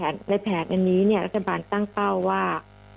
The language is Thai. ในแผนนี้รัฐบาลตั้งเป้าว่า